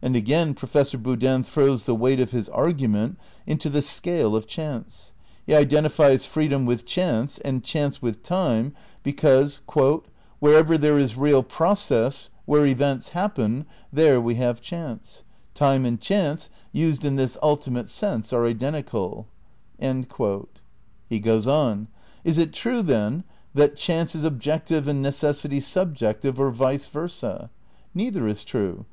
And again Professor Boodin throws the weight of his argument into the scale of chance. He identifies freedom with chance and chance with time, because ' Time and Seality, pp. 53 55. IV THE CRITICAL PREPARATIONS 153 "Wherever there is real process, where events happen, there we have chance. Time and chance, used in this ultimate sense, are identical." He goes on: "Is it true, then, that chance is objective and necessity sub jective or vice versa? Neither is true.